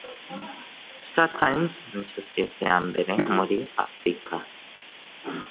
startimes ni sosiyete ya mbere muri afurika